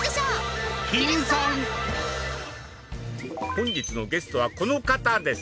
本日のゲストはこの方です。